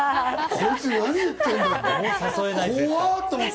こいつ、何言ってるんだ？って。